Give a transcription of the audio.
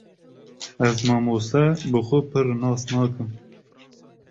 Ez mamoste bi xwe pir nas nakim